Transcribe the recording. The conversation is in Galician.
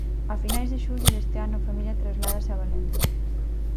A finais de xullo deste ano a familia trasladase a Valencia.